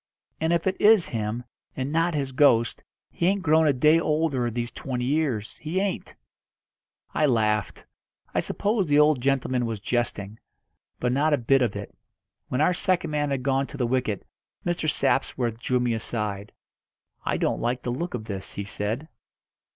And if it is him, and not his ghost, he ain't grown a day older these twenty years, he ain't." I laughed. I supposed the old gentleman was jesting. But not a bit of it. When our second man had gone to the wicket Mr. Sapsworth drew me aside. "I don't like the look of this," he said.